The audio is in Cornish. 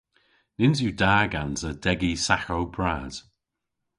Nyns yw da gansa degi saghow bras.